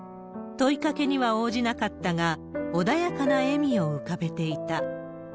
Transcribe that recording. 問いかけには応じなかったが、穏やかな笑みを浮かべていた。